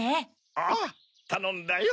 ああたのんだよ。